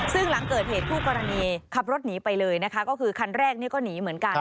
ซึ่งหลังเกิดเหตุคู่กรณีขับรถหนีไปเลยนะคะก็คือคันแรกนี่ก็หนีเหมือนกัน